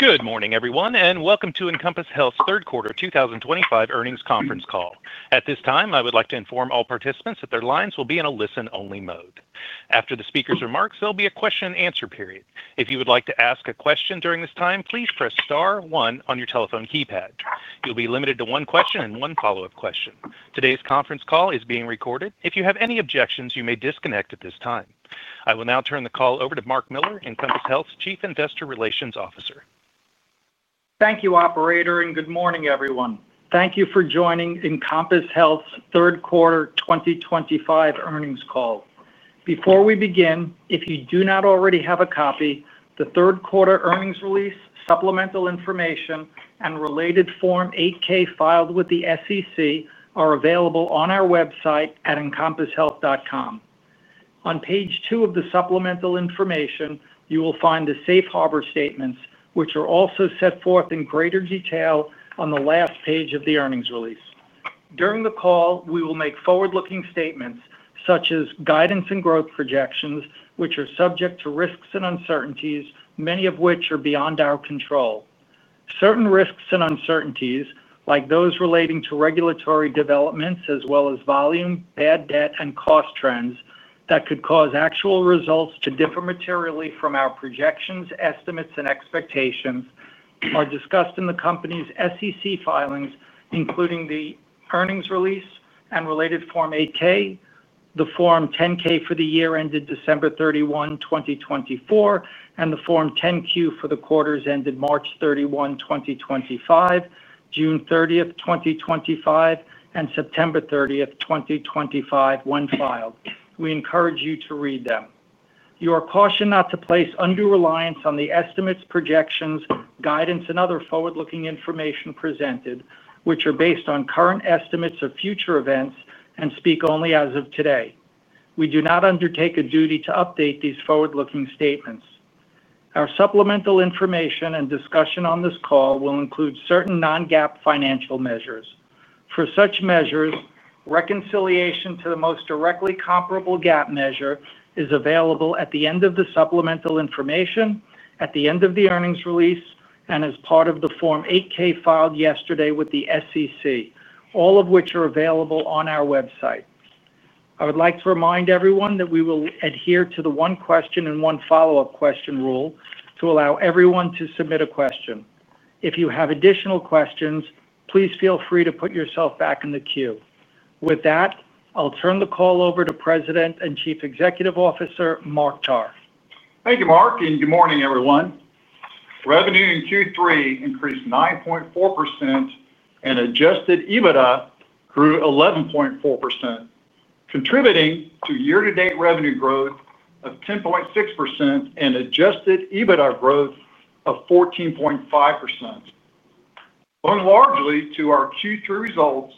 Good morning everyone and welcome to Encompass Health's third quarter 2025 earnings conference call. At this time, I would like to inform all participants that their lines will be in a listen-only mode. After the speaker's remarks, there will be a question and answer period. If you would like to ask a question during this time, please press star 1 on your telephone keypad. You'll be limited to one question and one follow-up question. Today's conference call is being recorded. If you have any objections, you may disconnect at this time. I will now turn the call over to Mark Miller, Encompass Health's Chief Investor Relations Officer. Thank you, operator, and good morning everyone. Thank you for joining Encompass Health's third quarter 2025 earnings call. Before we begin, if you do not already have a copy, the third quarter earnings release, supplemental information, and related Form 8-K filed with the SEC are available on our website at encompasshealth.com. On page two of the supplemental information, you will find the Safe Harbor statements, which are also set forth in greater detail on the last page of the earnings release. During the call, we will make forward-looking statements such as guidance and growth projections, which are subject to risks and uncertainties, many of which are beyond our control. Certain risks and uncertainties, like those relating to regulatory developments as well as volume, bad debt, and cost trends that could cause actual results to differ materially from our projections, estimates, and expectations, are discussed in the company's SEC filings, including the earnings release and related Form 8-K, the Form 10-K for the year ended December 31, 2024, and the Form 10-Q for the quarters ended March 31, 2025, June 30, 2025, and September 30, 2025, when filed. We encourage you to read them. You are cautioned not to place undue reliance on the estimates, projections, guidance, and other forward-looking information presented, which are based on current estimates of future events and speak only as of today. We do not undertake a duty to update these forward-looking statements. Our supplemental information and discussion on this call will include certain non-GAAP financial measures. For such measures, reconciliation to the most directly comparable GAAP measure is available at the end of the supplemental information, at the end of the earnings release, and as part of the Form 8-K filed yesterday with the SEC, all of which are available on our website. I would like to remind everyone that we will adhere to the one question and one follow up question rule to allow everyone to submit a question. If you have additional questions, please feel free to put yourself back in the queue. With that I'll turn the call over to President and Chief Executive Officer Mark Tarr. Thank you, Mark, and good morning everyone. Revenue in Q3 increased 9.4% and adjusted EBITDA grew 11.4%, contributing to year to date revenue growth of 10.6% and adjusted EBITDA growth of 14.5%. Going largely to our Q3 results,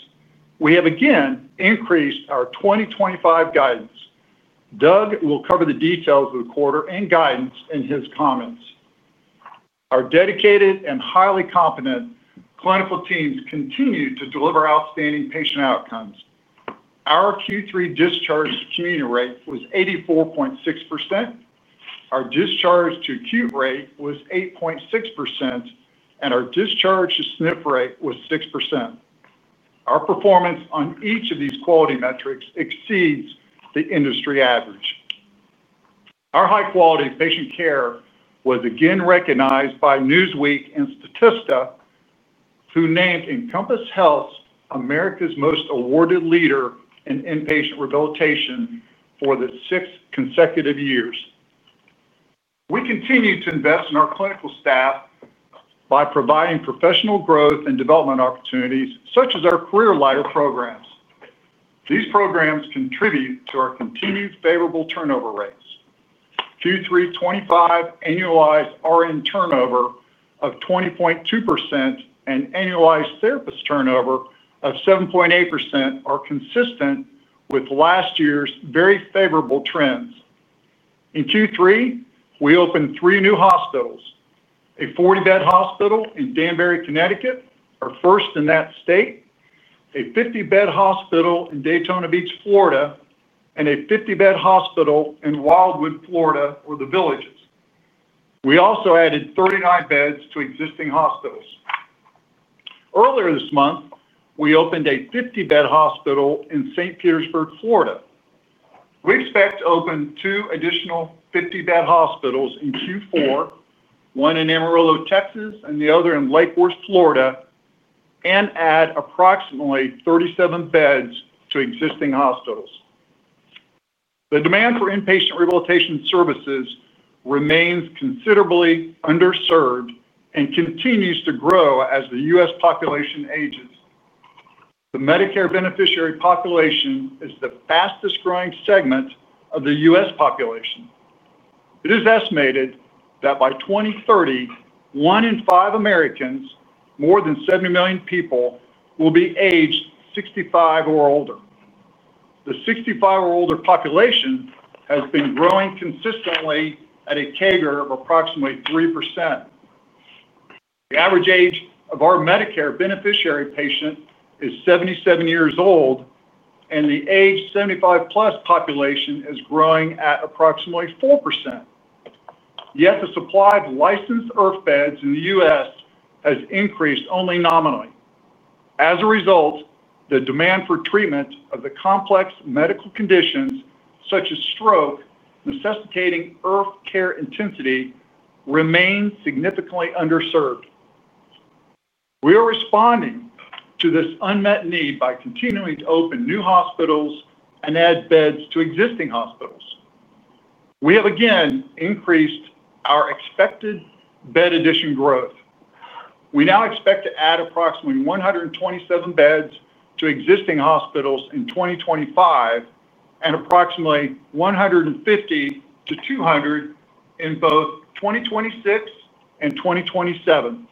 we have again increased our 2025 guidance. Doug will cover the details of the quarter and guidance in his comments. Our dedicated and highly competent clinical teams continue to deliver outstanding patient outcomes. Our Q3 community discharge rate was 84.6%, our discharge to acute rate was 8.6%, and our discharge to SNF rate was 6%. Our performance on each of these quality metrics exceeds the industry average. Our high quality patient care was again recognized by Newsweek and Statista, who named Encompass Health America's most awarded leader in inpatient rehabilitation for six consecutive years. We continue to invest in our clinical staff by providing professional growth and development opportunities such as our career ladder programs. These programs contribute to our continued favorable turnover rates. Q3 2025 annualized RN turnover of 20.2% and annualized therapist turnover of 7.8% are consistent with last year's very favorable trends. In Q3 we opened three new hospitals, a 40-bed hospital in Danbury, Connecticut, our first in that state, a 50-bed hospital in Daytona Beach, Florida, and a 50-bed hospital in Wildwood, Florida or The Villages. We also added 39 beds to existing hospitals. Earlier this month we opened a 50-bed hospital in St. Petersburg, Florida. We expect to open two additional 50-bed hospitals in Q4, one in Amarillo, Texas, and the other in Lake Worth, Florida, and add approximately 37 beds to existing hospitals. The demand for inpatient rehabilitation services remains considerably underserved and continues to grow as the U.S. population ages. The Medicare beneficiary population is the fastest growing segment of the U.S. population. It is estimated that by 2030 one in five Americans, more than 70 million people, will be aged 65 or older. The 65 or older population has been growing consistently at a CAGR of approximately 3%. The average age of our Medicare beneficiary patient is 77 years old and the age 75+ population is growing at approximately 4%. Yet the supply of licensed IRF beds in the U.S. has increased only nominally. As a result, the demand for treatment of the complex medical conditions such as stroke necessitating IRF care intensity remain significantly underserved. We are responding to this unmet need by continuing to open new hospitals and add beds to existing hospitals. We have again increased our expected bed addition growth. We now expect to add approximately 127 beds to existing hospitals in 2025 and approximately 150-200 in both 2026 and 2027.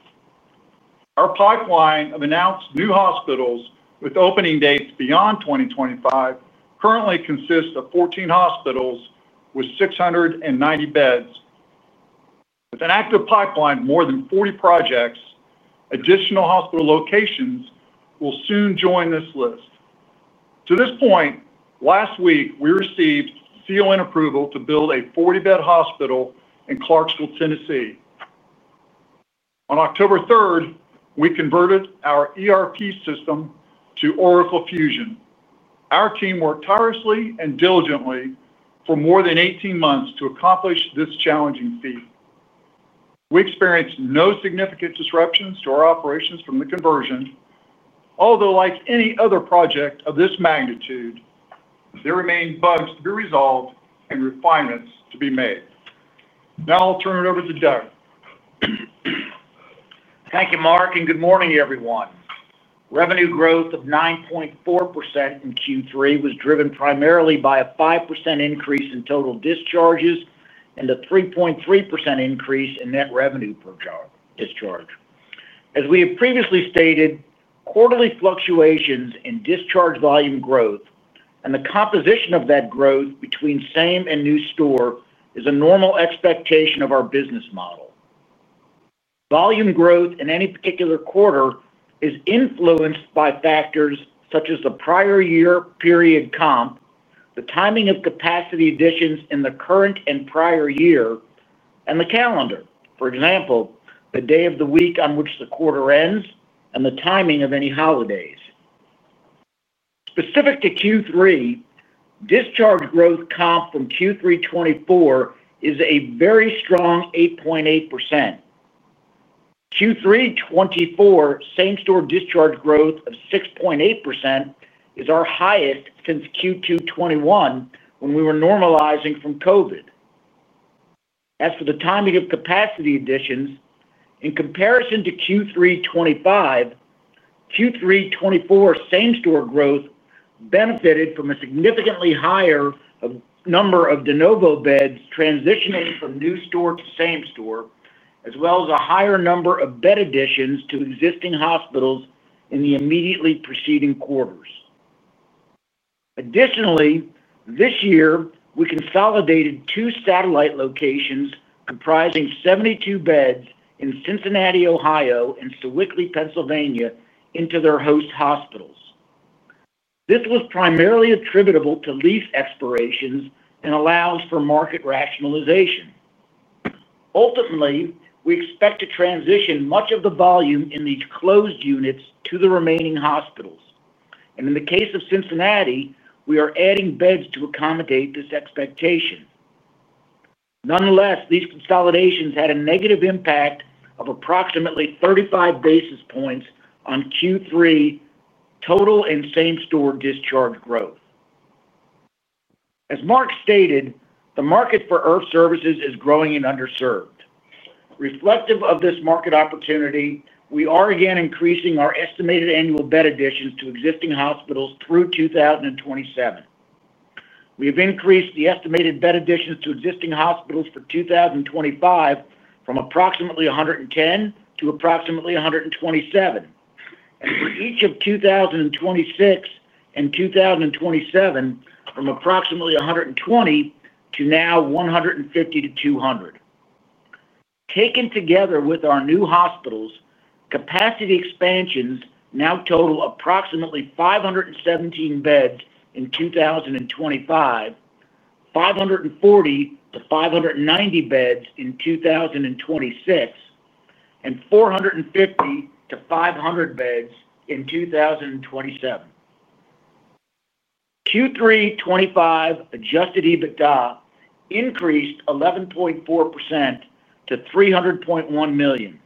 Our pipeline of announced new hospitals with opening dates beyond 2025 currently consists of 14 hospitals with 690 beds with an active pipeline, more than 40 projects. Additional hospital locations will soon join this list. To this point, last week we received CON approval to build a 40 bed hospital in Clarksville, Tennessee. On October 3rd, we converted our ERP system to Oracle Fusion. Our team worked tirelessly and diligently for more than 18 months to accomplish this challenging feat. We experienced no significant disruptions to our operations from the conversion, although like any other project of this magnitude, there remain bugs to be resolved and refinements to be made. Now I'll turn it over to Doug. Thank you Mark and good morning everyone. Revenue growth of 9.4% in Q3 was driven primarily by a 5% increase in total discharges and a 3.3% increase in net revenue per discharge. As we have previously stated, quarterly fluctuations in discharge volume growth and the composition of that growth between same and new store is a normal expectation of our business model. Volume growth in any particular quarter is influenced by factors such as the prior year period compared to the timing of capacity additions in the current and prior year and the calendar. For example, the day of the week on which the quarter ends and the timing of any holidays. Specific to Q3 discharge growth comp from Q3 2024 is a very strong 8.8%. Q3 2024 same store discharge growth of 6.8% is our highest since Q2 2021 when we were normalizing from COVID. As for the timing of capacity additions in comparison to Q3 2025, Q3 2024 same store growth benefited from a significantly higher number of de novo beds transitioning from new store to same store, as well as a higher number of bed additions to existing hospitals in the immediately preceding quarters. Additionally, this year we consolidated two satellite locations comprising 72 beds in Cincinnati, Ohio and Sewickley, Pennsylvania into their host hospitals. This was primarily attributable to lease expirations and allows for market rationalization. Ultimately, we expect to transition much of the volume in these closed units to the remaining hospitals, and in the case of Cincinnati, we are adding beds to accommodate this expectation. Nonetheless, these consolidations had a negative impact of approximately 35 basis points on Q3 total and same store discharge growth. As Mark stated, the market for IRF services is growing and underserved. Reflective of this market opportunity, we are again increasing our estimated annual bed additions to existing hospitals through 2027. We have increased the estimated bed additions to existing hospitals for 2025 from approximately 110 to approximately 127, and for each of 2026 and 2027 from approximately 120 to now 150-200. Taken together with our new hospitals, capacity expansions now total approximately 517 beds in 2025, 540-590 beds in 2026, and 450-500 beds in 2027. Q3 2025 adjusted EBITDA increased 11.4% to $300.1 million.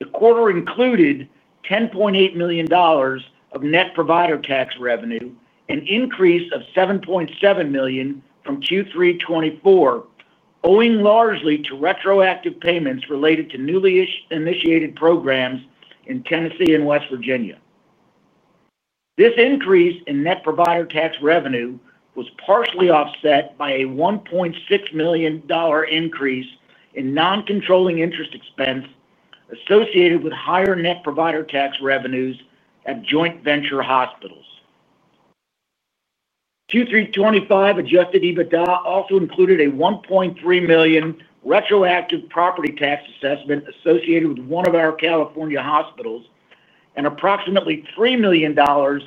The quarter included $10.8 million of net provider tax revenue, an increase of $7.7 million from Q3 2024 owing largely to retroactive payments related to newly initiated programs in Tennessee and West Virginia. This increase in net provider tax revenue was partially offset by a $1.6 million increase in non-controlling interest expense associated with higher net provider tax revenues at joint venture hospitals. Q3 2025 adjusted EBITDA also included a $1.3 million retroactive property tax assessment associated with one of our California hospitals and approximately $3 million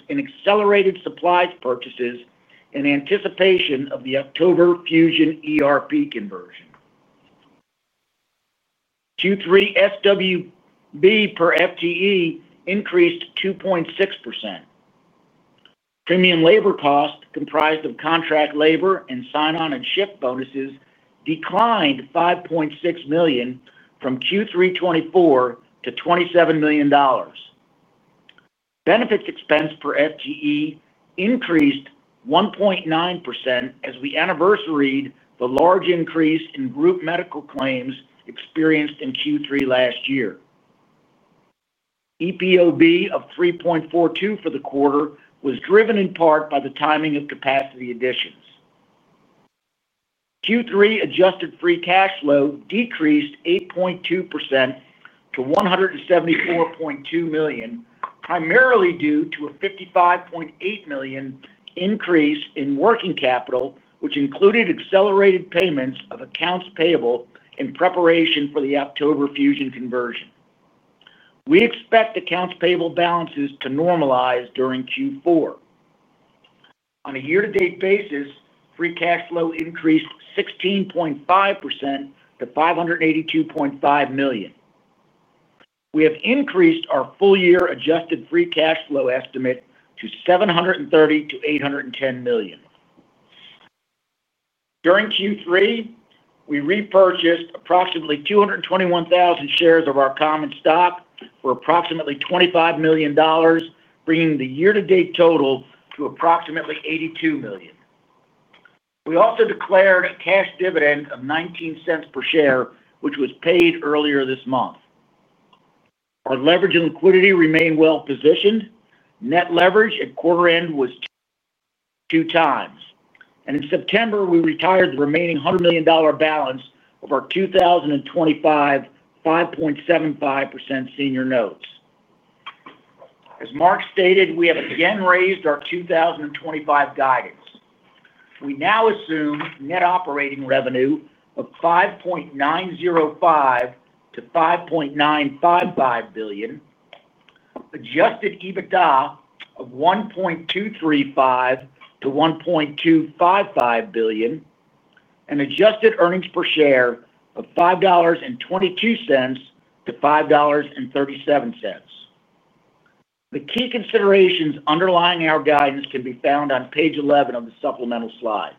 in accelerated supplies purchases in anticipation of the October Fusion ERP conversion. Q3 SWB per FTE increased 2.6%. Premium labor cost, comprised of contract labor and sign-on and shift bonuses, declined $5.6 million from Q3 2024 to $27 million. Benefits expense per FTE increased 1.9% as we anniversaried the large increase in group medical claims experienced in Q3 last year. EPOB of 3.42 for the quarter was driven in part by the timing of capacity additions. Q3 adjusted free cash flow decreased 8.2% to $174.2 million, primarily due to a $55.8 million increase in working capital, which included accelerated payments of accounts payable in preparation for the October Fusion conversion. We expect accounts payable balances to normalize during Q4 on a year-to-date basis. Free cash flow increased 16.5% to $582.5 million. We have increased our full-year adjusted free cash flow estimate to $730 million-$810 million. During Q3, we repurchased approximately 221,000 shares of our common stock for approximately $25 million, bringing the year-to-date total to approximately $82 million. We also declared a cash dividend of $0.19 per share, which was paid earlier this month. Our leverage and liquidity remain well positioned. Net leverage at quarter end was two times. In September, we retired the remaining $100 million balance of our 2025 5.75% senior notes. As Mark stated, we have again raised our 2025 guidance. We now assume net operating revenue of $5.905 billion-$5.955 billion, adjusted EBITDA of $1.235 billion-$1.255 billion, adjusted earnings per share of $5.22-$5.37. The key considerations underlying our guidance can be found on page 11 of the supplemental slides.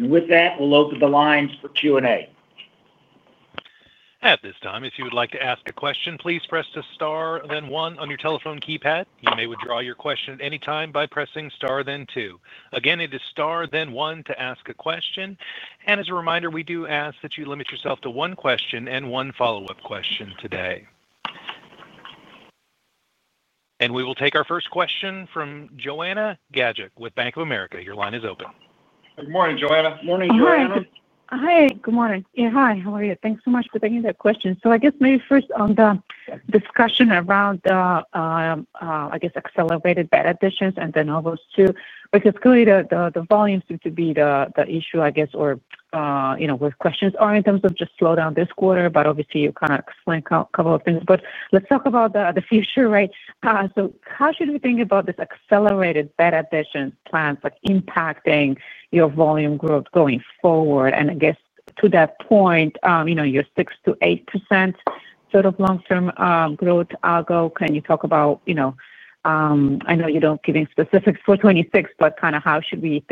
With that, we'll open the lines for Q&A, at this time. If you would like to ask a question, please press the star then one on your telephone keypad. You may withdraw your question at any time by pressing star then two. Again, it is star then one to ask a question. As a reminder, we do ask that you limit yourself to one question and one follow-up question today. We will take our first question from Joanna Gajuk with BofA Securities. Your line is open. Good morning, Joanna. Morning, Joanna. Hi, good morning. Hi, how are you? Thanks so much for taking that question. I guess maybe first on the discussion around accelerated bed additions, because clearly the volumes seem to be the issue, or where questions are in terms of just slowdown this quarter. Obviously, you explained a couple of things. Let's talk about the future. How should we think about this accelerated bed addition plan impacting your volume growth going forward? To that point, your 6%-8% sort of long-term growth algo, can you talk about, I know you don't give any specifics for 2026, but how should we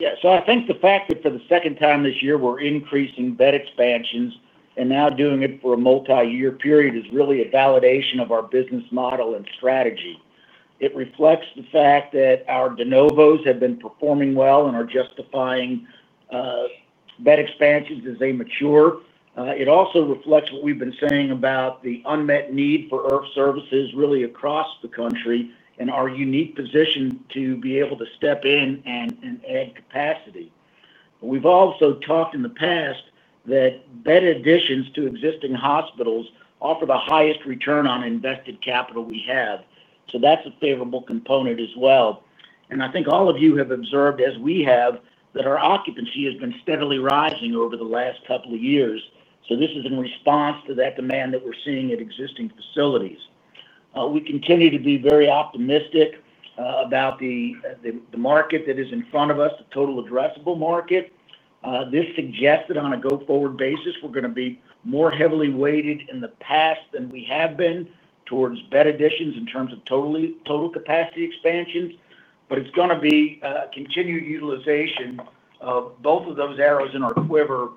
think about it into next year? Thank you. Yeah. I think the fact that for the second time this year we're increasing bed expansions and now doing it for a multi-year period is really a validation of our business model and strategy. It reflects the fact that our de novos have been performing well and are justifying bed expansions as they mature. It also reflects what we've been saying about the unmet need for IRF services really across the country and our unique position to be able to step in and add capacity. We've also talked in the past that bed additions to existing hospitals offer the highest return on invested capital we have. That's a favorable component as well. I think all of you have observed as we have that our occupancy has been steadily rising over the last couple of years. This is in response to that demand that we're seeing at existing facilities. We continue to be very optimistic about the market that is in front of us, the total addressable market. This suggests that on a go forward basis we're going to be more heavily weighted than we have been towards bed additions in terms of total capacity expansions. It's going to be continued utilization of both of those arrows in our quiver,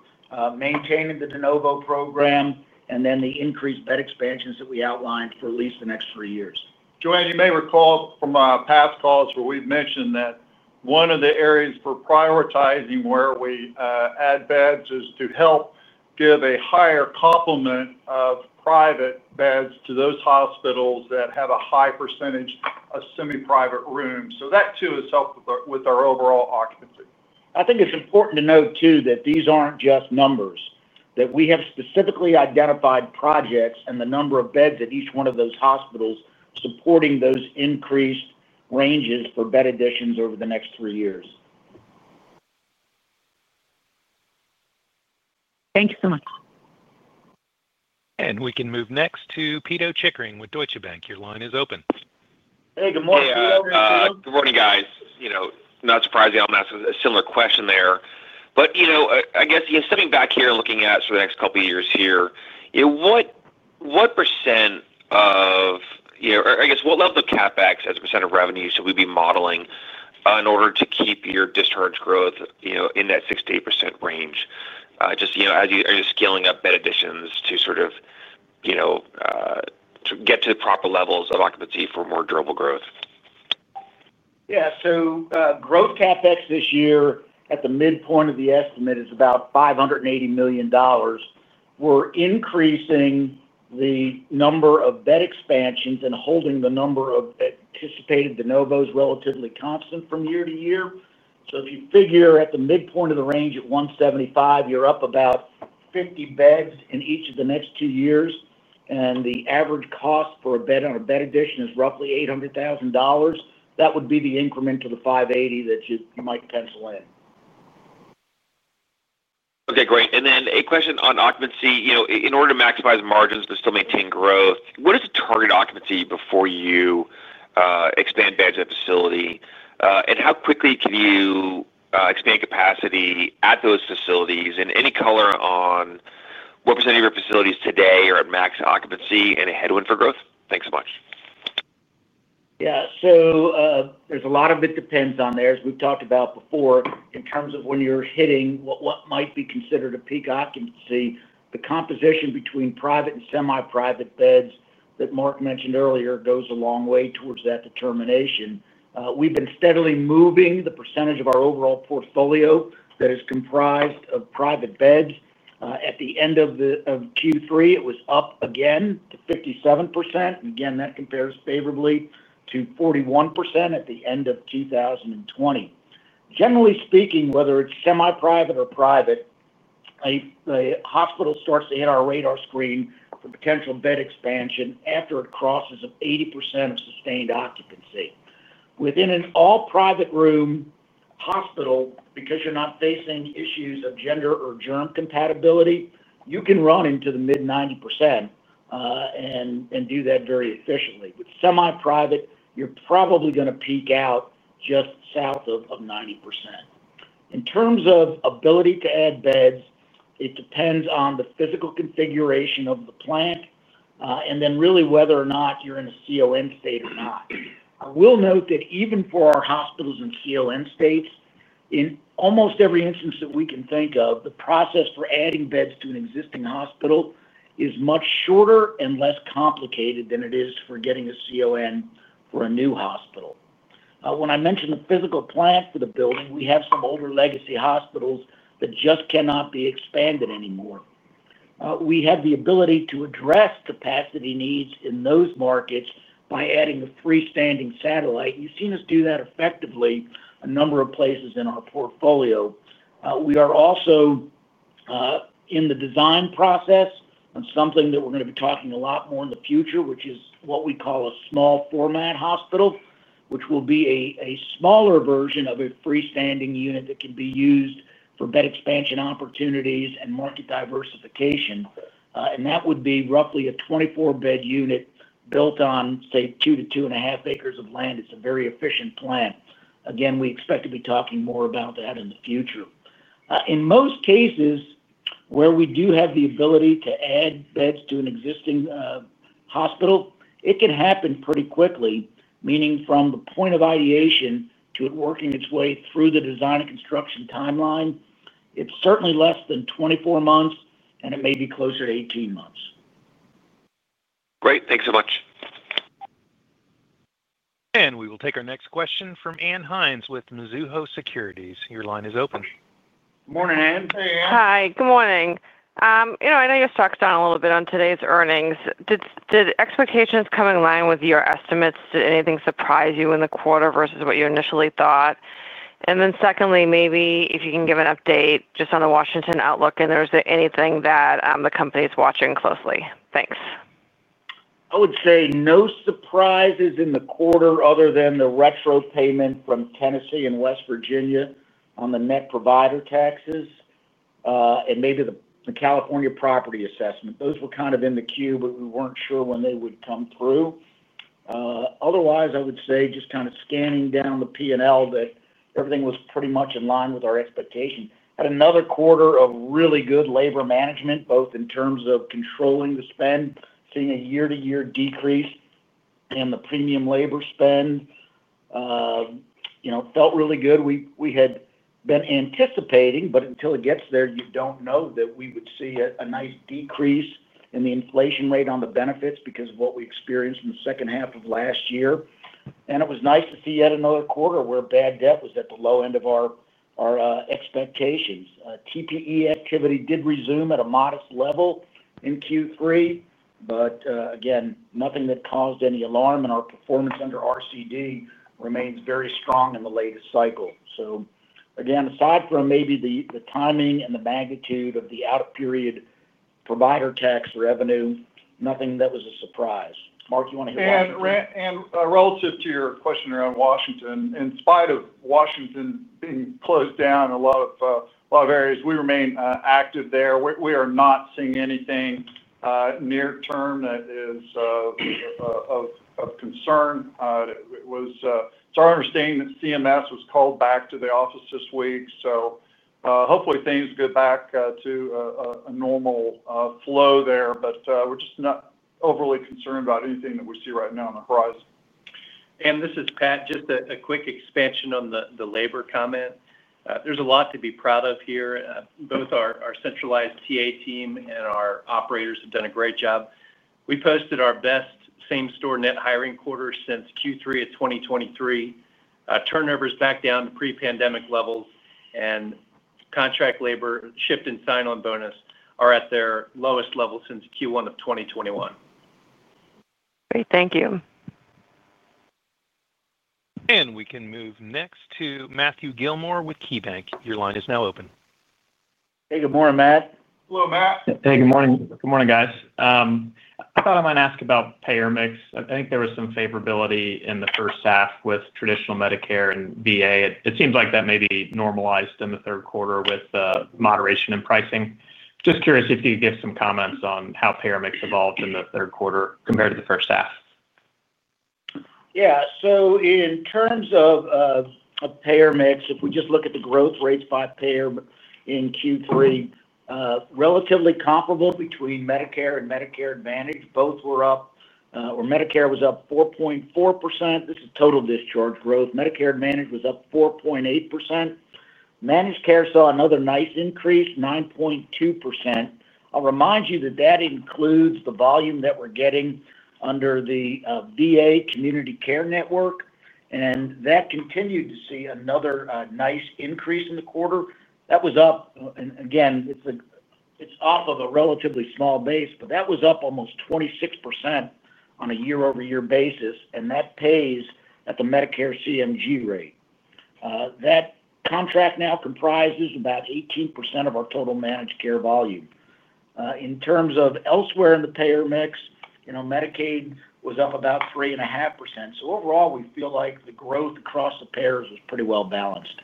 maintaining the de novo program and then the increased bed expansions that we outlined for at least the next three years. Joanne, you may recall from past calls where we've mentioned that one of the areas for prioritizing where we add beds is to help give a higher complement of private beds to those hospitals that have a high percentage of semi-private rooms. That too has helped with our overall occupancy. I think it's important to note too that these aren't just numbers, that we have specifically identified projects and the number of beds at each one of those hospitals supporting those increased ranges for bed additions over the next three years. Thank you so much. We can move next to Pito Chickering with Deutsche Bank. Your line is open. Hey, good morning. Good morning guys. You know, not surprising I'm asking a similar question there. I guess stepping back here and looking at for the next couple years here, what percent of, or I guess what level of capex as a percent of revenue should we be modeling in order to keep your discharge growth in that 6%-8% range just as you're scaling up bed additions to get to the proper levels of occupancy for more durable growth. Yeah, so growth CapEx this year at the midpoint of the estimate is about $580 million. We're increasing the number of bed expansions and holding the number of anticipated de novos relatively constant from year to year. If you figure at the midpoint of the range at 175, you're up about 50 beds in each of the next two years. The average cost for a bed on a bed addition is roughly $800,000; that would be the increment to the 580 that you might pencil in. Okay, great. A question on occupancy. In order to maximize margins but still maintain growth, what is the target occupancy before you expand a facility, and how quickly can you expand capacity at those facilities? Any color on what percentage of your facilities today are at max occupancy and a headwind for growth? Thanks so much. Yeah, there's a lot of it depends on there. As we've talked about before, in terms of when you're hitting what might be considered a peak occupancy, the composition between private and semi-private beds that Mark mentioned earlier goes a long way towards that determination. We've been steadily moving the percentage of our overall portfolio that is comprised of private beds. At the end of Q3, it was up again to 57%. That compares favorably to 41% at the end of 2020. Generally speaking, whether it's semi-private or private, the hospital starts to hit our radar screen for potential bed expansion after it crosses 80% of sustained occupancy within an all private room hospital. Because you're not facing issues of gender or germ compatibility, you can run into the mid 90% and do that very efficiently. With semi-private, you're probably going to peak out just south of 90%. In terms of ability to add beds, it depends on the physical configuration of the plant and then really whether or not you're in a CON state or not. I will note that even for our hospitals in CON states, in almost every instance that we can think of, the process for adding beds to an existing hospital is much shorter and less complicated than it is for getting a CON for a new hospital. When I mention the physical plant for the building, we have some older legacy hospitals that just cannot be expanded anymore. We have the ability to address capacity needs in those markets by adding a freestanding satellite. You've seen us do that effectively a number of places in our portfolio. We are also in the design process on something that we're going to be talking a lot more about in the future, which is what we call a small format hospital, which will be a smaller version of a freestanding unit that can be used for bed expansion opportunities and market diversification. That would be roughly a 24-bed unit built on, say, two to two and a half acres of land. It's a very efficient plan. We expect to be talking more about that in the future. In most cases where we do have the ability to add beds to an existing hospital, it can happen pretty quickly, meaning from the point of ideation to it working its way through the design and construction timeline. It's certainly less than 24 months, and it may be closer to 18 months. Great. Thanks so much. We will take our next question from Ann Hynes with Mizuho Securities. Your line is open. Morning, Ann. Hi, good morning. You know, I know your stock's down a little bit on today's earnings. Did expectations come in line with your estimates? Did anything surprise you in the quarter versus what you initially thought? Secondly, maybe if you can give an update just on the Washington outlook and is there anything that the company is watching closely? Thanks. I would say no surprises in the quarter other than the retro payment from Tennessee and West Virginia on the net provider taxes and maybe the California property assessment. Those were kind of in the queue, but we weren't sure when they would come through. Otherwise, I would say just kind of scanning down the P&L that everything was pretty much in line with our expectation. Had another quarter of really good labor management, both in terms of controlling the spend. Seeing a year-to-year decrease in the premium labor spend felt really good. We had been anticipating, but until it gets there, you don't know, that we would see a nice decrease in the inflation rate on the benefits because of what we experienced in the second half of last year. It was nice to see yet another quarter where bad debt was at the low end of our expectations. TPE activity did resume at a modest level in Q3, but nothing that caused any alarm, and our performance under RCD remains very strong in the latest cycle. Aside from maybe the timing and the magnitude of the out-of-period provider tax revenue, nothing that was a surprise. Mark, you want to hit one. Relative to your question around Washington, in spite of Washington being closed down in a lot of areas, we remain active there. We are not seeing anything near term that is of concern. It's our understanding that CMS was called back to the office this week. Hopefully, things get back to a normal flow there. We're just not overly concerned about anything that we see right now on the horizon. Ann this is Pat, just a quick expansion on the labor comment. There's a lot to be proud of here. Both our centralized TA team and our operators have done a great job. We posted our best same-store net hiring quarter since Q3 of 2023. Turnover is back down to pre-pandemic levels, and contract labor, shift, and sign-on bonus are at their lowest level since Q1 of 2021. Thank you. We can move next to Matthew Gillmor with KeyBanc. Your line is now open. Hey, good morning, Matt. Hello, Matt. Hey, good morning. Good morning, guys. I thought I might ask about payer mix.I think there was some favorability in the first half with traditional Medicare and VA. It seems like that may be normalized in the third quarter with moderation in pricing. Just curious if you could give some comments on how payer mix evolved in the third quarter compared to the first half. Yeah. In terms of payer mix, if we just look at the growth rates by payer in Q3, they were relatively comparable between Medicare and Medicare Advantage. Both were up, or Medicare was up 4.4%. This is total discharge growth. Medicare Advantage was up 4.8%. Managed care saw another nice increase, 9.2%. I'll remind you that includes the volume that we're getting under the VA Community Care Network, and that continued to see another nice increase in the quarter. That was up, and again it's off of a relatively small base, but that was up almost 26% on a year-over-year basis. That pays at the Medicare CMG rate. That contract now comprises about 18% of our total managed care volume. In terms of elsewhere in the payer mix, Medicaid was up about 3.5%. Overall, we feel like the growth across the payers was pretty well balanced.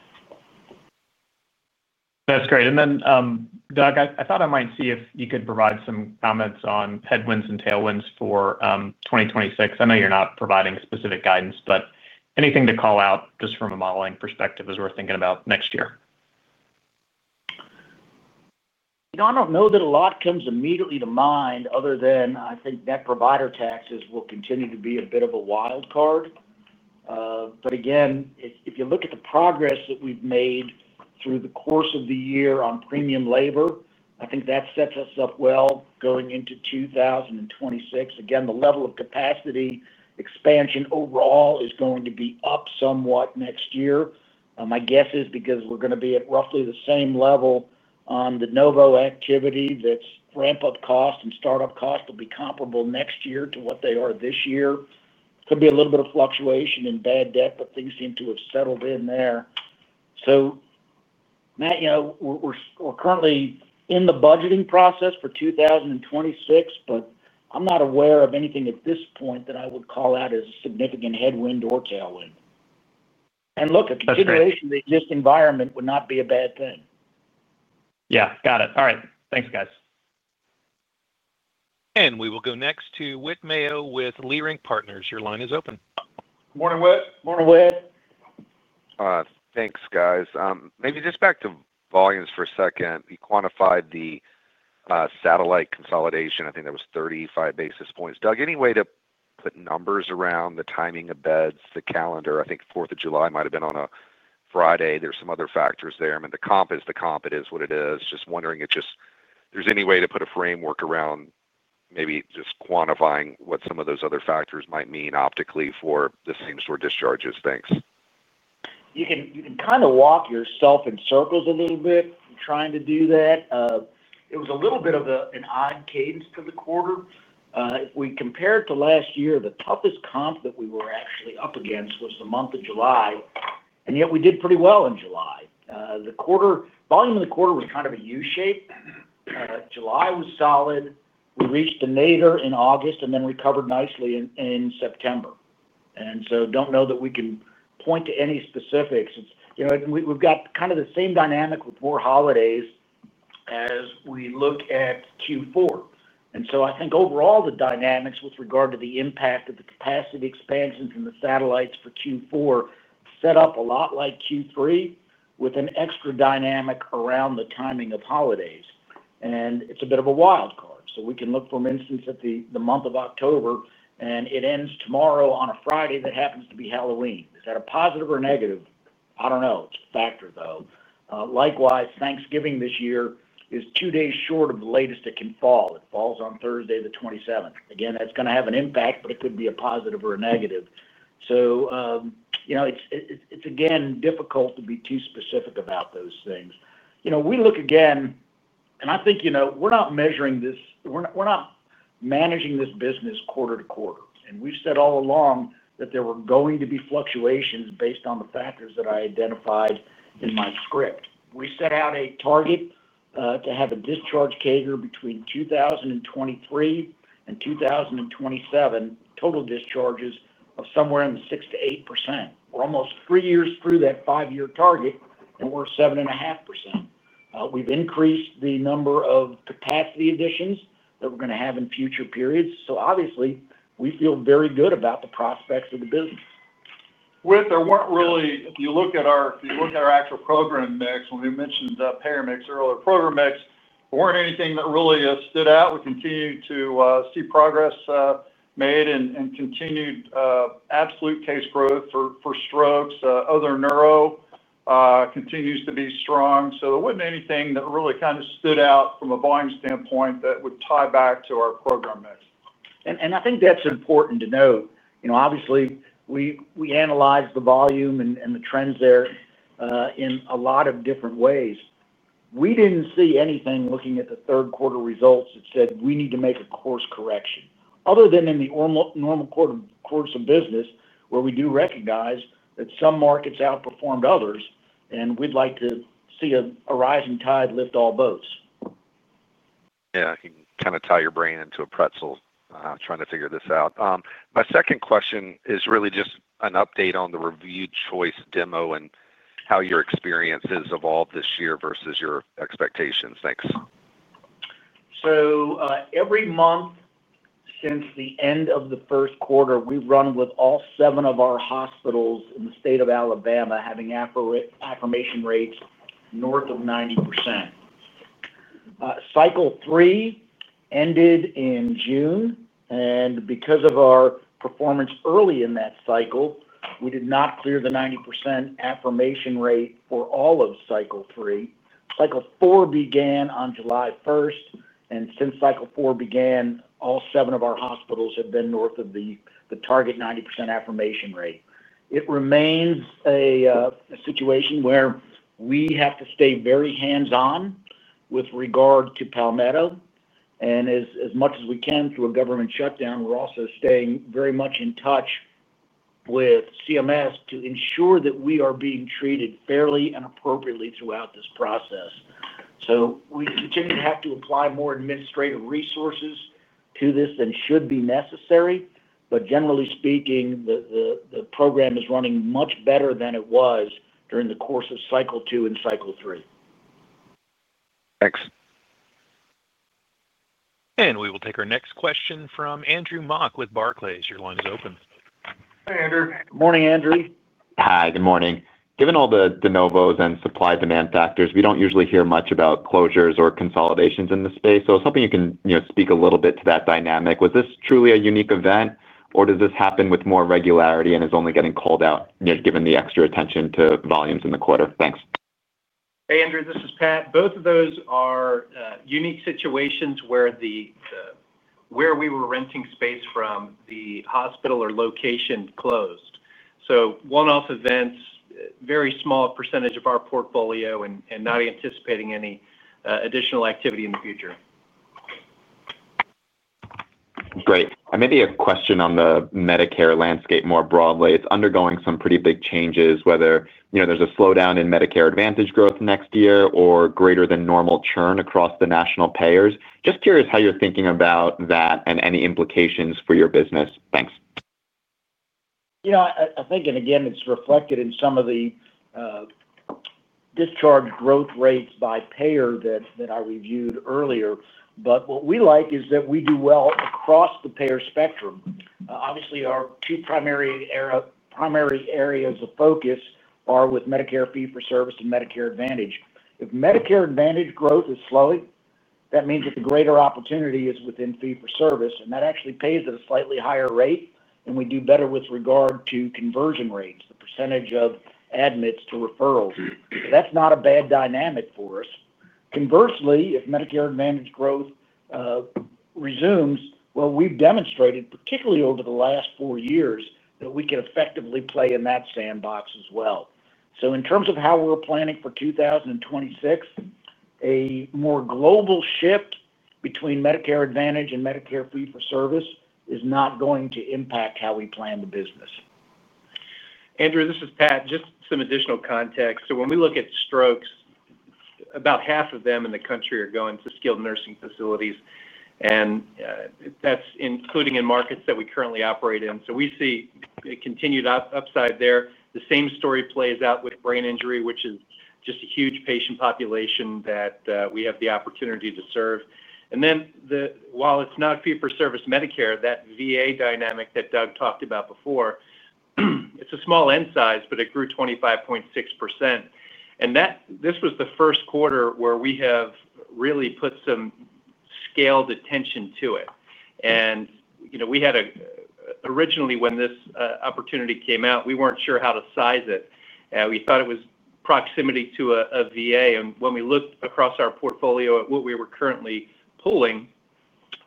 That's great. Doug, I thought I might see if you could provide some comments on headwinds and tailwinds for 2026. I know you're not providing specific guidance, but anything to call out just from a modeling perspective as we're thinking about next year. I don't know that a lot comes immediately to mind other than I think net provider taxes will continue to be a bit of a wild card. If you look at the progress that we've made through the course of the year on premium labor, I think that sets us up well going into 2026. The level of capacity expansion overall is going to be up somewhat next year. My guess is because we're going to be at roughly the same level on the de novo activity. That ramp up cost and startup cost will be comparable next year to what they are this year. Could be a little bit of fluctuation in bad debt, but things seem to have settled in there. Matt, you know we're currently in the budgeting process for 2026, but I'm not aware of anything at this point that I would call out as a significant headwind or tailwind. A consideration in this environment would not be a bad thing. Got it. All right, thanks guys. We will go next to Whit Mayo with Leerink Partners. Your line is open. Morning Whit. Morning Whit. Thanks guys. Maybe just back to volumes for a second. You quantified the satellite consolidation? I think that was 35 basis points, Doug. Anyway, to put numbers around the timing of beds, the calendar, I think 4th of July might have been on a Friday. There are some other factors there. The comp is the comp. It is what it is. Just wondering if there's any way to put a framework around maybe just quantifying what some of those other factors might mean optically for the same store discharges. Thanks. You can kind of walk yourself in circles a little bit trying to do that. It was a little bit of an odd cadence to the quarter if we compare it to last year. The toughest comp that we were actually up against was the month of July and yet we did pretty well in July. The quarter volume in the quarter was kind of a U shape. July was solid. We reached the nadir in August and then recovered nicely in September. I don't know that we can point to any specifics. We've got kind of the same dynamic with more holidays as we look at Q4. I think overall the dynamics with regard to the impact of the capacity expansions in the satellites for Q4 set up a lot like Q3 with an extra dynamic around the timing of holidays. It's a bit of a wild card. We can look for instance at the month of October and it ends tomorrow on a Friday that happens to be Halloween. Is that a positive or negative? I don't know. It's a factor though. Likewise, Thanksgiving this year is two days short of the latest it can fall. It falls on Thursday the 27th. Again, that's going to have an impact, but it could be a positive or a negative. It's again difficult to be too specific about those things. We look again and I think we're not measuring this. We're not managing this business quarter to quarter. We've said all along that there were going to be fluctuations based on the factors that I identified in my script. We set out a target to have a discharge CAGR between 2023 and 2027, total discharges of somewhere in the 6% to 8%. We're almost three years through that five-year target and we're 7.5%. We've increased the number of capacity additions that we're going to have in future periods. Obviously, we feel very good about the prospects of the business. Whit, there weren't really, if you look at our actual program mix, when we mentioned payer mix earlier, program mix weren't anything that really stood out. We continue to see progress made and continued absolute case growth for strokes. Other neuro continues to be strong. There wasn't anything that really kind of stood out from a volume standpoint that would tie back to our program mix. I think that's important to note. Obviously, we analyze the volume and the trends there in a lot of different ways. We didn't see anything looking at the third quarter results that said we need to make a course correction other than in the normal course of business where we do recognize that some markets outperformed others and we'd like to see a rising tide lift all boats. You can kind of tie your brain into a pretzel trying to figure this out. My second question is really just an update on the reviewed choice demo and how your experience has evolved this year versus your expectations. Thanks. Every month since the end of the first quarter, we run with all seven of our hospitals in the state of Alabama having affirmation rates north of 90%. Cycle three ended in June and because of our performance early in that cycle, we did not clear the 90% affirmation rate for all of cycle three. Cycle four began on July 1 and since cycle four began, all seven of our hospitals have been north of the target 90% affirmation rate. It remains a situation where we have to stay very hands on with regard to Palmetto and as much as we can through a government shutdown. We're also staying very much in touch with CMS to ensure that we are being treated fairly and appropriately throughout this process. We continue to have to apply more administrative resources to this than should be necessary. Generally speaking, the program is running much better than it was during the course of cycle two and cycle three. Thanks. We will take our next question from Andrew Mok with Barclays. Your line is open. Hi Andrew. Good morning. Andrew, hi, good morning. Given all the de novos and supply demand factors, we don't usually hear much about closures or consolidations in the space. I was hoping you can speak a little bit to that dynamic. Was this truly a unique event or does this happen with more regularity and is only getting called out given the extra attention to volumes in the quarter? Thanks. Hey Andrew, this is Pat. Both of those are unique situations where we were renting space from the hospital or location closed. One-off events, very small percentage of our portfolio and not anticipating any additional activity in the future. Great. Maybe a question on the Medicare landscape more broadly. It's undergoing some pretty big changes whether there's a slowdown in Medicare Advantage growth next year or greater than normal churn across the national payers. Just curious how you're thinking about that and any implications for your business. Thanks. I think, and again, it's reflected in some of the discharge growth rates by payer that I reviewed earlier. What we like is that we do well across the payer spectrum. Obviously our two primary areas of focus are with Medicare fee for service and Medicare Advantage. If Medicare Advantage growth is slowing, that means that the greater opportunity is within fee for service and that actually pays at a slightly higher rate. We do better with regard to conversion rates, the percentage of admits to referrals. That's not a bad dynamic for us. Conversely, if Medicare Advantage growth resumes, we've demonstrated particularly over the last four years that we can effectively play in that sandbox as well. In terms of how we're planning for 2026, a more global shift between Medicare Advantage and Medicare fee for service is not going to impact how we plan the business. Andrew, this is Pat, just some additional context. When we look at strokes, about half of them in the country are going to skilled nursing facilities and that's including in markets that we currently operate in. We see continued upside there. The same story plays out with brain injury, which is just a huge patient population that we have the opportunity to serve. While it's not fee for service Medicare, that VA dynamic that Doug talked about before, it's a small n size, but it grew 25.6%. This was the first quarter where we have really put some scaled attention to it. We had a, originally when this opportunity came out, we weren't sure how to size it. We thought it was proximity to a VA. When we looked across our portfolio at what we were currently pulling,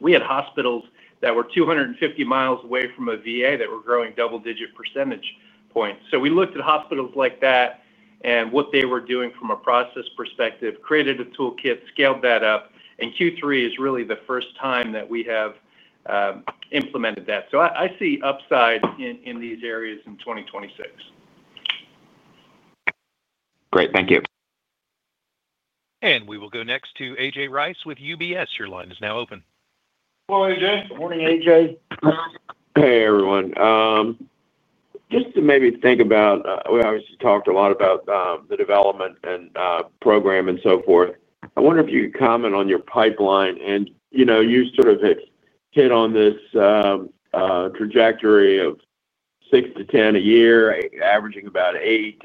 we had hospitals that were 250 mi away from a VA that were growing double-digit percentage points. We looked at hospitals like that and what they were doing from a process perspective, created a toolkit, scaled that up, and Q3 is really the first time that we have implemented that. I see upside in these areas in 2020. Great, thank you. We will go next to A.J. Rice with UBS. Your line is now open. Hello A.J., good morning A.J., hey everyone. Just to maybe think about, we obviously talked a lot about the development and program and so forth. I wonder if you could comment on your pipeline and you sort of hit on this trajectory of six to 10 a year, averaging about eight,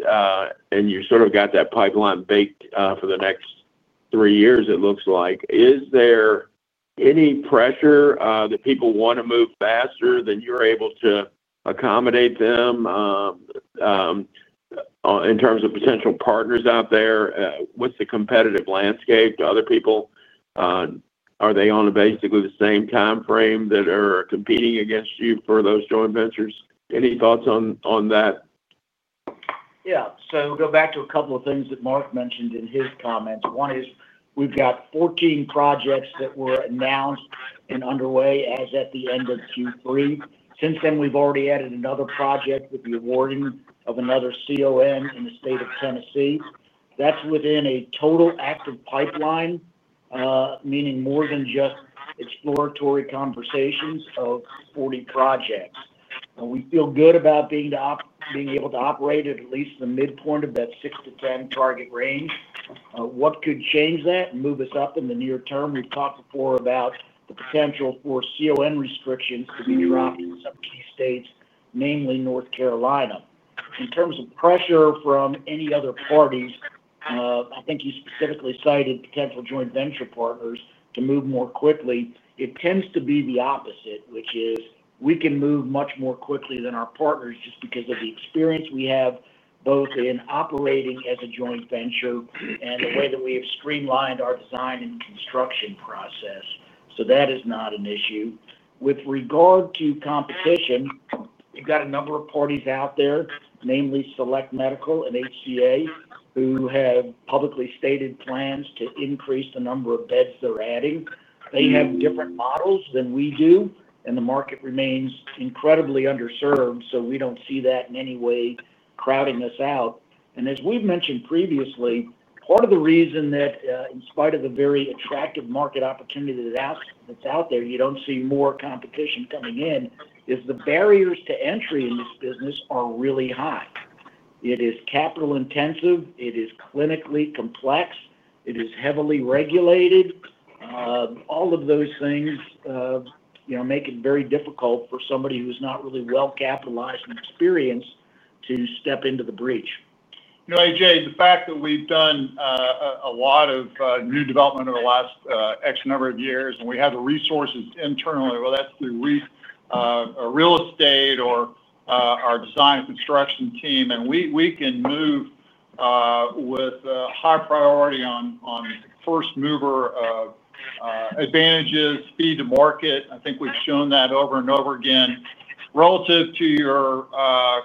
and you sort of got that pipeline baked for the next three years, it looks like. Is there any pressure that people want to move faster than you're able to accommodate them in terms of potential partners out there? What's the competitive landscape to other people? Are they on basically the same time frame that are competing against you for those joint ventures? Any thoughts on that? Yeah. Go back to a couple of things that Mark mentioned in his comments. One is we've got 14 projects that were announced and underway as at the end of Q3. Since then, we've already added another project with the awarding of another CON in the state of Tennessee. That's within a total active pipeline, meaning more than just exploratory conversations. We feel good about being able to operate at least the midpoint of that 6-10 target range. What could change that and move us up in the near term? We've talked before about the potential for CON restrictions to be dropped in some key states, namely North Carolina. In terms of pressure from any other parties, I think you specifically cited potential joint venture partners to move more quickly. It tends to be the opposite, which is we can move much more quickly than our partners just because of the experience we have both in operating as a joint venture and the way that we have streamlined our design and construction process. That is not an issue with regard to competition. We've got a number of parties out there, namely Select Medical and HCA who have publicly stated plans to increase the number of beds they're adding. They have different models than we do, and the market remains incredibly underserved. We don't see that in any way crowding us out. As we've mentioned previously, part of the reason that in spite of the very attractive market opportunity that's out there, you don't see more competition coming in is the barriers to entry in this business are really high. It is capital intensive, it is clinically complex, it is heavily regulated. All of those things make it very difficult for somebody who's not really well capitalized and experienced to step into the breach. A.J., the fact that we've done a lot of new development over the last X number of years and we have the resources internally, whether that's real estate or our design construction team, we can move with high priority on first mover advantages, speed to market. I think we've shown that over and over again. Relative to your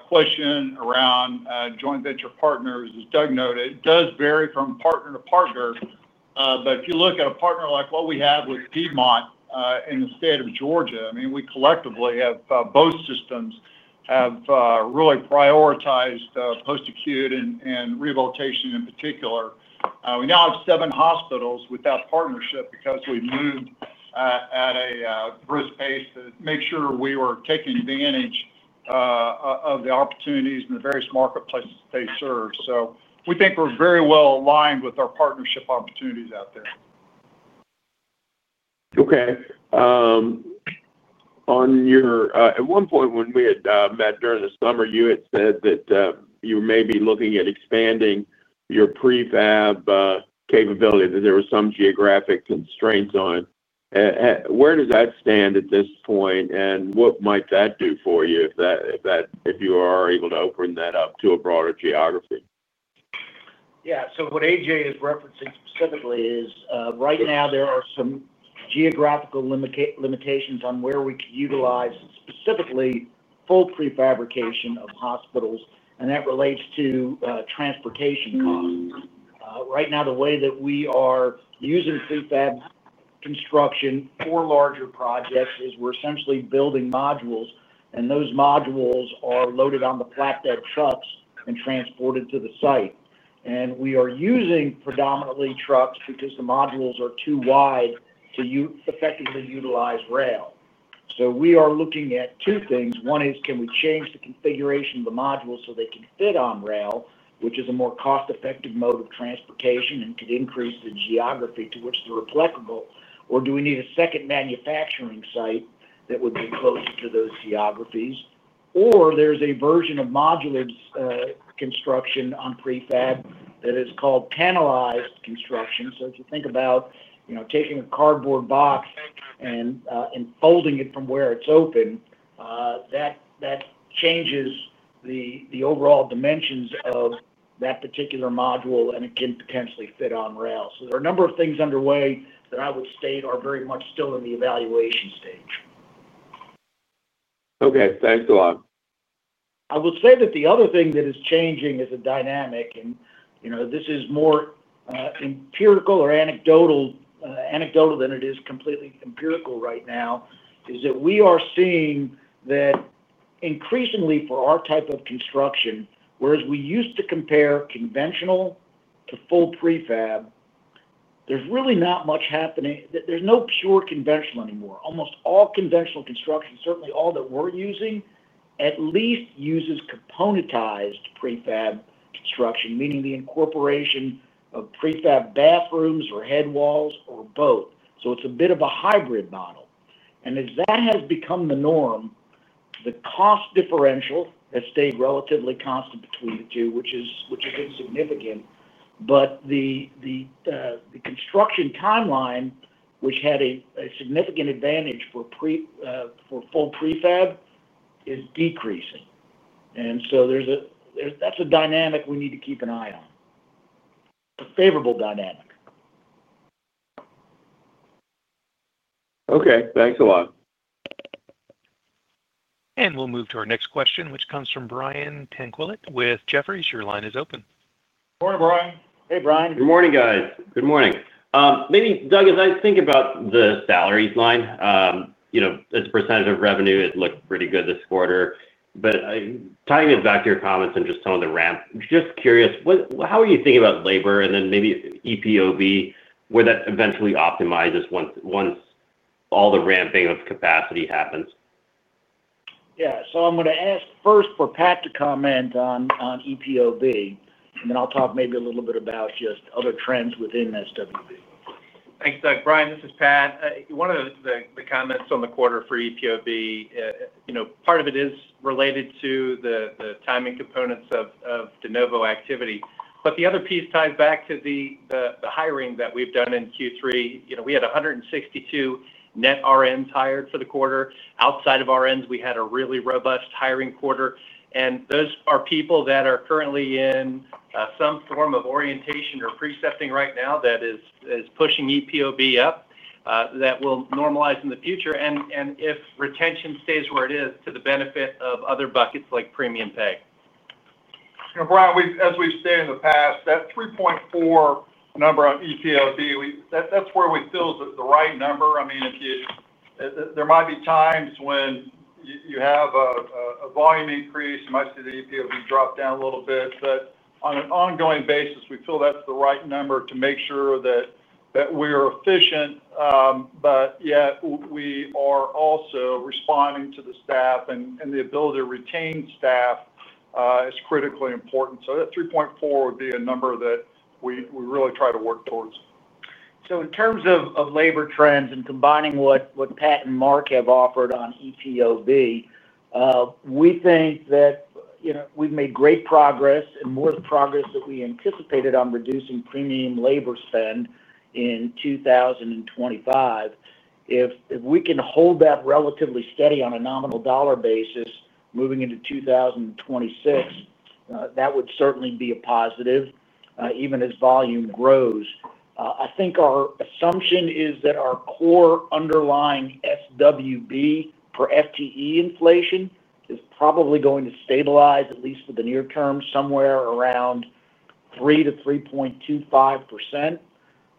question around joint venture partners, as Doug noted, it does vary from partner to partner. If you look at a partner like what we have with Piedmont in the state of Georgia, we collectively, both systems, have really prioritized post acute and rehabilitation. In particular, we now have seven hospitals with that partnership because we moved at a brisk pace to make sure we were taking advantage of the opportunities in the various marketplaces they serve. We think we're very well aligned with our partnership opportunities out there. At one point when we had met during the summer, you had said that you may be looking at expanding your prefab capability, that there were some geographic constraints on. Where does that stand at this point and what might that do for you if you are able to open that up to a broader geography? Yeah. What A.J. is referencing specifically is right now there are some geographical limitations on where we could utilize specifically full prefabrication of hospitals, and that relates to transportation costs. Right now, the way that we are using prefab construction for larger projects is we're essentially building modules, and those modules are loaded on the flatbed trucks and transported to the site. We are using predominantly trucks because the modules are too wide to effectively utilize rail. We are looking at two things. One is, can we change the configuration of the modules so they can fit on rail, which is a more cost-effective mode of transportation and could increase the geography to which they're applicable? Or do we need a second manufacturing site that would be closer to those geographies? There is a version of modular construction or prefab that is called panelized construction. If you think about taking a cardboard box and folding it from where it's open, that changes the overall dimensions of that particular module and it can potentially fit on rails. There are a number of things underway that I would state are very much still in the evaluation stage. Okay, thanks a lot. I will say that the other thing that is changing as a dynamic, and this is more anecdotal than it is completely empirical right now, is that we are seeing that increasingly for our type of construction, whereas we used to compare conventional to full prefab, there's really not much happening. There's no pure conventional anymore. Almost all conventional construction, certainly all that we're using, at least uses componentized prefab construction, meaning the incorporation of prefab bathrooms or head walls or both. It's a bit of a hybrid model. As that has become the norm, the cost differential that has stayed relatively constant between the two, which is insignificant. The construction timeline, which had a significant advantage for full prefab, is decreasing. That's a dynamic we need to keep an eye on, a favorable dynamic. Okay, thanks a lot. We'll move to our next question, which comes from Brian Tanquilut with Jefferies. Your line is open. Morning, Brian. Hey, Brian. Good morning, guys. Good morning. Maybe Doug, as I think about the salaries line, as a percentage of revenue, it looked pretty good this quarter. Tying it back to your comments and just some of the ramp, just curious, how are you thinking about labor and then maybe EPOB where that eventually optimizes once all the ramping of capacity happens? Yeah. I'm going to ask first for Pat to comment on EPOB and then I'll talk maybe a little bit about just other trends within SWB. Thanks, Doug. Brian, this is Pat. One of the comments on the quarter for EPOB, part of it is related to the timing components of de novo activity, but the other piece ties back to the hiring that we've done in Q3. You know, we had 162 net RNs hired for the quarter. Outside of RNs, we had a really robust hiring quarter. Those are people that are currently in some form of orientation or precepting right now that is pushing EPOB up. That will normalize in the future, and if retention stays where it is, to the benefit of other buckets like premium pay. Brian, as we've stated in the past, that 3.4 number on EPOB, that's where we feel the right number is. I mean, there might be times when you have a volume increase, you might see the EPOB drop down a little bit, but on an ongoing basis, we feel that's the right number to make sure that we are efficient. Yet we are also responding to the staff, and the ability to retain staff is critically important. That 3.4 would be a number that we really try to work towards. In terms of labor trends and combining what Pat and Mark have offered on EPOB, we think that we've made great progress and more progress than we anticipated on reducing price premium labor spend in 2025. If we can hold that relatively steady on a nominal dollar basis moving into 2026, that would certainly be a positive even as volume grows. I think our assumption is that our core underlying SWB for FTE inflation is probably going to stabilize at least for the near term, somewhere around 3%-3.25%.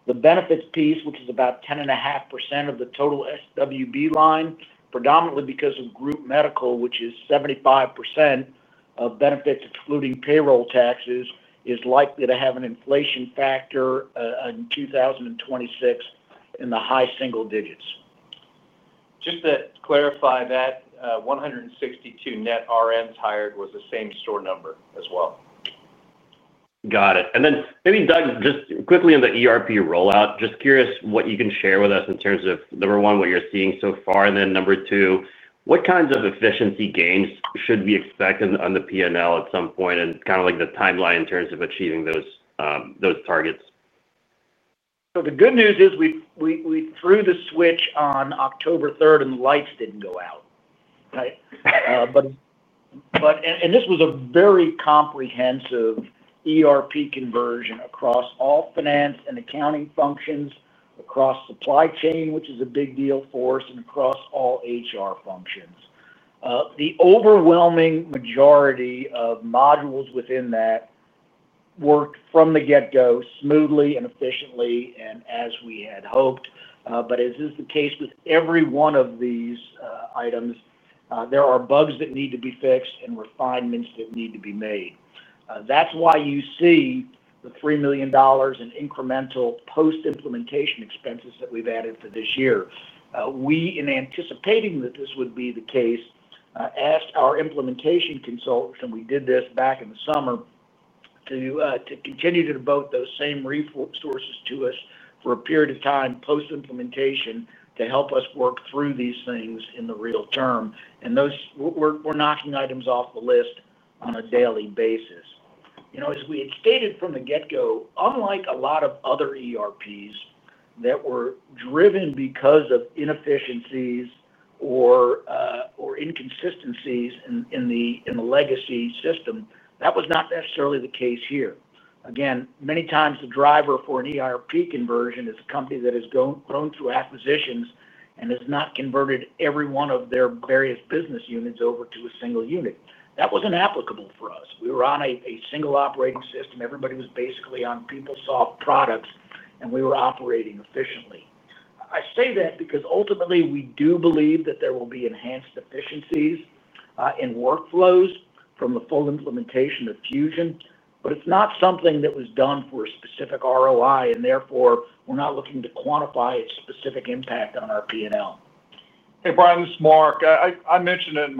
The benefits piece, which is about 10.5% of the total SWB line, predominantly because of group Medical, which is 75% of benefits, excluding payroll taxes, is likely to have an inflation factor in 2026 in the high single digits. Just to clarify, that 162 net RNs hired was the same store number as well. Got it. Maybe Doug, just quickly on the ERP rollout, just curious what you can share with us in terms of number one, what you're seeing so far and then number two, what kinds of efficiency gains should we expect on the P&L at some point and kind of like the timeline in terms of achieving those targets. The good news is we threw the switch on October 3rd and the lights didn't go out. This was a very comprehensive ERP conversion across all finance and accounting functions, across supply chain, which is a big deal for us, and across all HR functions. The overwhelming majority of modules within that worked from the get-go smoothly and efficiently and as we had hoped. As is the case with every one of these items, there are bugs that need to be fixed and refinements that need to be made. That's why you see the $3 million in incremental post-implementation expenses that we've added for this year. We, in anticipating that this would be the case, asked our implementation consultants, and we did this back in the summer, to continue to devote those same resources to us for a period of time post-implementation to help us work through these things in the real term. We're knocking items off the list on a daily basis. As we had stated from the get-go, unlike a lot of other ERP systems that were driven because of inefficiencies or inconsistencies in the legacy system, that was not necessarily the case here. Many times the driver for an ERP conversion is a company that has grown through acquisitions and has not converted every one of their various business units over to a single unit. That was inapplicable for us. We were on a single operating system. Everybody was basically on PeopleSoft products and we were operating efficiently. I say that because ultimately we do believe that there will be enhanced efficiencies in workflows from the full implementation of Fusion, but it's not something that was done for a specific ROI and therefore we're not looking to quantify a specific impact on our P&L. Hey Brian, this is Mark. I mentioned it in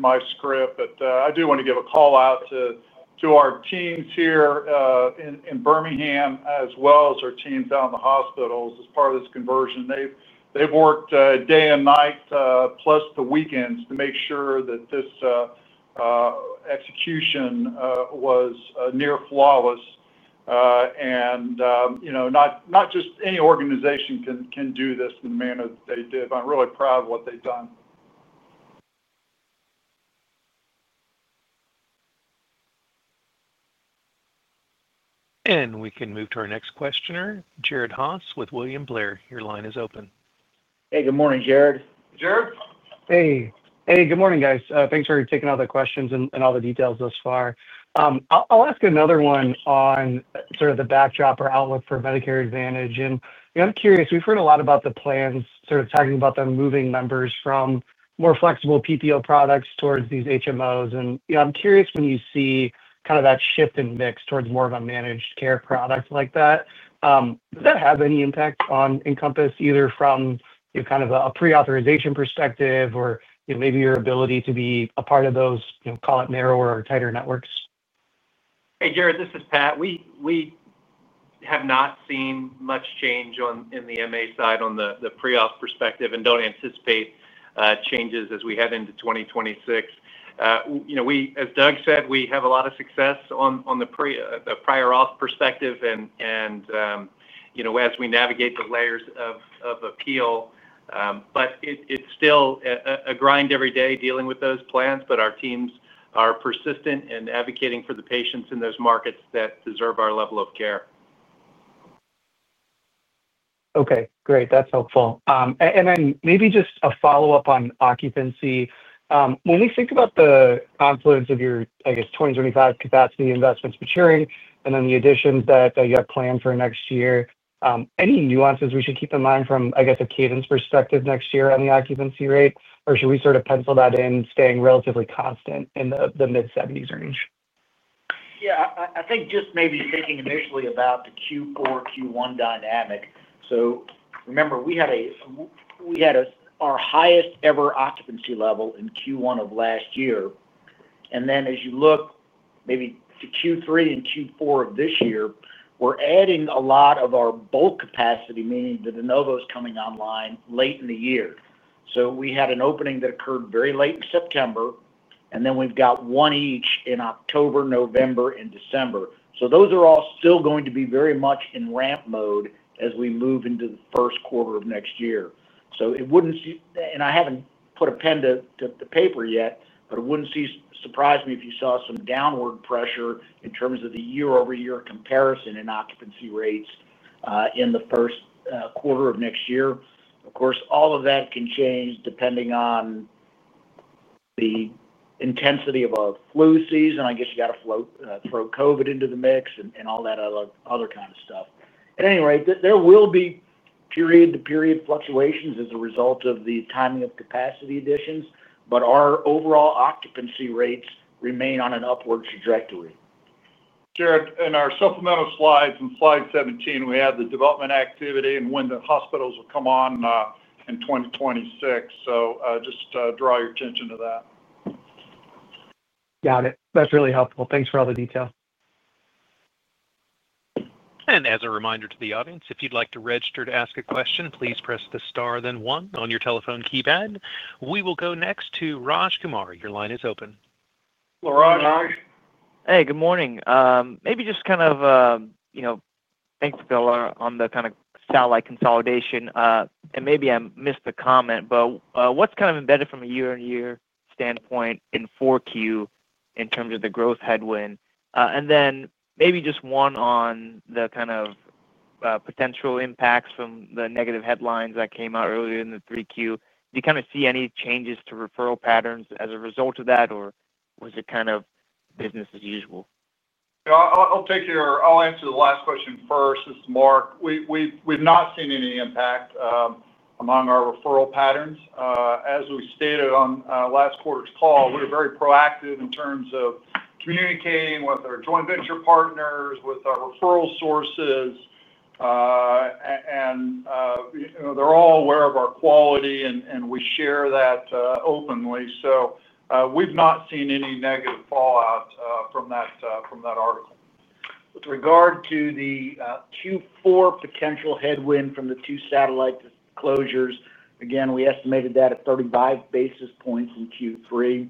my script, but I do want to give a call out to our teams here in Birmingham as well as our team down in the hospital as part of this conversion. They've worked day and night plus the weekends to make sure that this execution was near flawless. Not just any organization can do this in the manner they did, but I'm really proud of what they've done. We can move to our next questioner, Jared Haase with William Blair. Your line is open. Hey, good morning, Jared. Jared: Hey. Hey, good morning, guys. Thanks for taking all the questions and all the details thus far. I'll ask another one on sort of the backdrop or outlook for Medicare Advantage. I'm curious, we've heard a lot about the plans, sort of talking about them moving members from more flexible PPO products towards these HMOs. I'm curious when you see that shift in mix towards more of a managed care product like that, does that have any impact on Encompass either from a pre-authorization perspective or maybe your ability to be a part of those, call it, narrower or tighter networks. Hey Jared, this is Pat. We have not seen much change on in the MA side on the pre op perspective and don't anticipate changes as we head into 2026. You know, we, as Doug said, we have a lot of success on the prior auth perspective and you know, as we navigate the layers of appeal. It's still a grind every day dealing with those plans. Our teams are persistent in advocating for the patients in those markets that deserve our level of care. Okay, great, that's helpful. Maybe just a follow up on occupancy when we think about the confluence of your, I guess, 2025 capacity investments maturing and then the additions that you have planned for next year. Any nuances we should keep in mind from, I guess, a cadence perspective next year on the occupancy rate or should we sort of pencil that in staying relatively constant in the mid-70% range? Yeah, I think just maybe thinking initially about the Q4 Q1 dynamic. Remember we had our highest ever occupancy level in Q1 of last year and then as you look maybe to Q3 and Q4 of this year, we're adding a lot of our bulk capacity, meaning the de novos coming online late in the year. We had an opening that occurred very late in September and then we've got one each in October, November, and December. Those are all still going to be very much in ramp mode as we move into the first quarter of next year. I haven't put a pen to the paper yet, but it wouldn't surprise me if you saw some downward pressure in terms of the year over year comparison in occupancy rates in the first quarter of next year. Of course, all of that can change depending on the intensity of a flu season. I guess you got to throw Covid into the mix and all that other kind of stuff. At any rate, there will be period to period fluctuations as a result of the timing of capacity additions, but our overall occupancy rates remain on an upward trajectory. Jared, in our supplemental slides and slide 17 we have the development activity and when the hospitals will come on in 2026. Just draw your attention to that. Got it. That's really helpful. Thanks for all the detail. As a reminder to the audience, if you'd like to register to ask a question, please press the star then one on your telephone keypad. We will go next to Raj Kumar. Your line is open. Hey, good morning. Maybe just kind of thanks, Bill, on the kind of satellite consolidation and maybe I missed the comment, but what's kind of embedded from a year-on-year standpoint in Q4 in terms of the growth headwind? Then maybe just one on the kind of potential impacts from the negative headlines that came out earlier in Q3. Do you kind of see any changes to referral patterns as a result of that, or was it kind of business as usual? I'll answer the last question first. This is Mark. We've not seen any impact among our referral patterns. As we stated on last quarter's call, we're very proactive in terms of communicating with our joint venture partners and with our referral sources, and they're all aware of our quality and we share that openly. We've not seen any negative fallout from that article. With regard to the Q4 potential headwind from the two satellite closures, we estimated that at 35 basis points in Q3.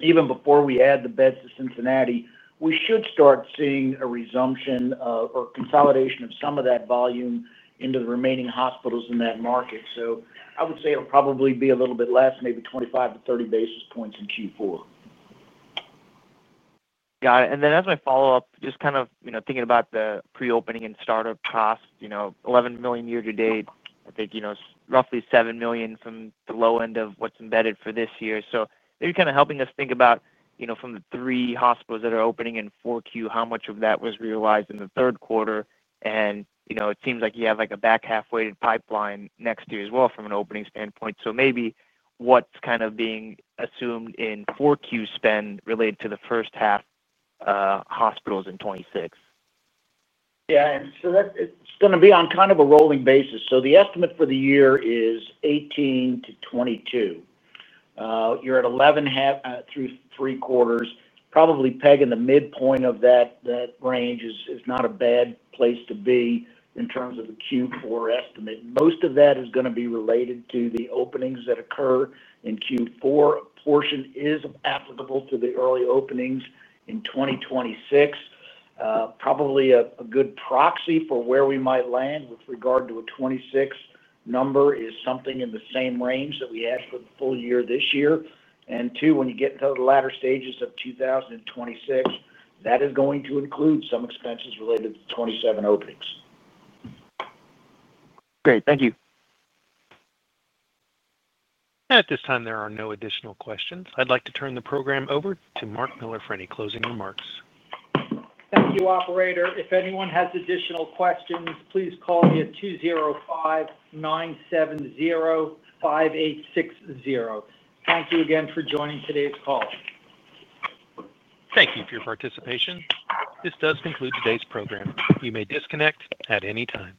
Even before we add the beds to Cincinnati, we should start seeing a resumption or consolidation of some of that volume into the remaining hospitals in that market. I would say it'll probably be a little bit less, maybe 25 basis points-30 basis points in Q4. Got it. Then as my follow-up, just kind of thinking about the pre-opening and startup cost, $11 million year to date, I think, roughly $7 million from the low end of what's embedded for this year. Maybe kind of helping us think about, from the three hospitals that are opening in 4Q, how much of that was realized in the third quarter. It seems like you have a back half weighted pipeline next year as well from an opening standpoint. Maybe what's kind of being assumed in 4Q spend related to the first half hospitals in 2026. Yeah, and so that it's going to be on kind of a rolling basis. The estimate for the year is $18 million-$22 million. You're at $11 million through three quarters. Probably pegging the midpoint of that range is not a bad place to be in terms of the Q4 estimate. Most of that is going to be related to the openings that occur in Q4. A portion is applicable to the early openings in 2026. Probably a good proxy for where we might land with regard to a 2026 number is something in the same range that we had for the full year this year. When you get into the latter stage of 2026, that is going to include some expenses related to 2027 openings. Great. Thank you. At this time there are no additional questions. I'd like to turn the program over to Mark Miller for any closing remarks. Thank you, operator. If anyone has additional questions, please call me at 205-970-5860. Thank you again for joining today's call. Thank you for your participation. This does conclude today's program. You may disconnect at any time.